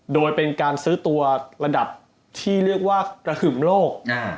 โดยเป็นการซื้อตัวระดับที่เรียกว่ากระหึ่มโลก